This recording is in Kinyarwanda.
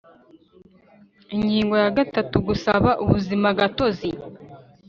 Ingingo ya gatatu Gusaba ubuzimagatozi